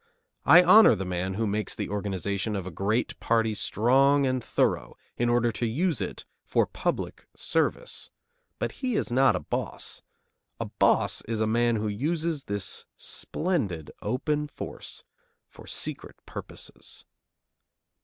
I honor the man who makes the organization of a great party strong and thorough, in order to use it for public service. But he is not a boss. A boss is a man who uses this splendid, open force for secret purposes.